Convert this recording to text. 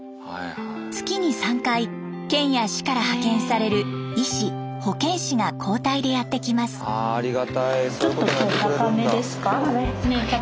月に３回県や市から派遣される医師保健師が交代でやって来ます。